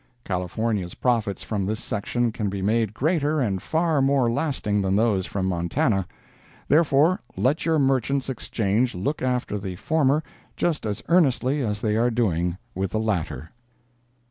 California's profits from this section can be made greater and far more lasting than those from Montana. Therefore let your Merchants' Exchange look after the former just as earnestly as they are doing with the latter.